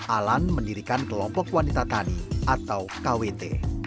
alan mendirikan kelompok wanita tani atau kwt